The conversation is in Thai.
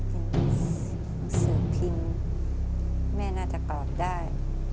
หนังสือพิมพ์แม่น่าจะกรอบได้